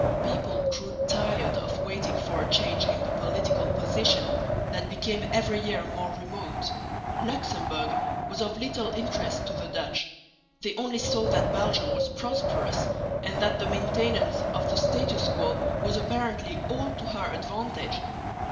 People grew tired of waiting for a change in the political position that became every year more remote. Luxemburg was of little interest to the Dutch; they only saw that Belgium was prosperous, and that the maintenance of the status quo was apparently all to her advantage.